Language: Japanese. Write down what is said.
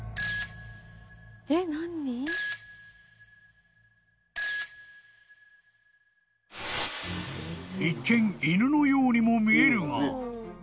［一見イヌのようにも見えるが］